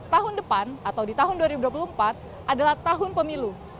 tahun depan atau di tahun dua ribu dua puluh empat adalah tahun pemilu